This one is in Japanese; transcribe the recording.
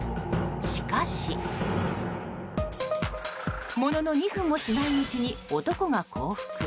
しかしものの２分もしないうちに男が降伏。